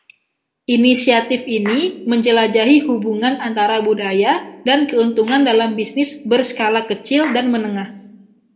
Inisiatif ini menjelajahi hubungan antara budaya dan keuntungan dalam bisnis berskala kecil dan menengah.